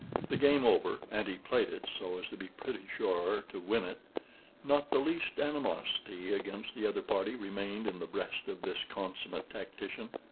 The game over (and he played it so as to be pretty sure to win it), not the least animosity against the other party remained in the breast of this consummate tactician.